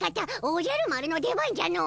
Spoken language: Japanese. おじゃる丸の出番じゃの。